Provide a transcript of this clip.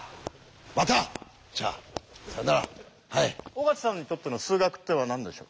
尾形さんにとっての数学ってのは何でしょう？